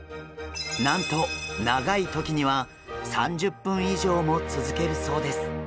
なんと長い時には３０分以上も続けるそうです。